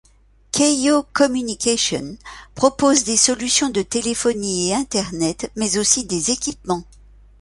Keyyo Communications propose des solutions de téléphonie et internet, mais aussi des équipements.